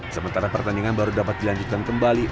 sementara pertandingan baru dapat dilanjutkan kembali